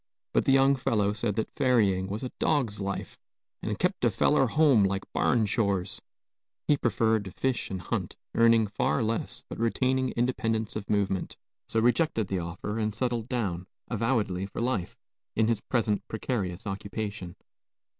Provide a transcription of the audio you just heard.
But the young fellow said that ferrying was a dog's life, and "kept a feller home like barn chores;" he preferred to fish and hunt, earning far less but retaining independence of movement, so rejected the offer and settled down, avowedly for life, in his present precarious occupation.